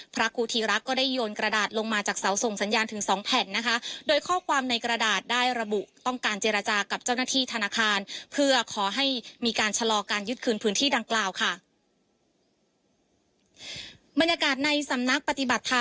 พระครูธีรักษ์ก็ได้โยนกระดาษลงมาจากเสาส่งสัญญาณถึง๒แผ่นนะคะ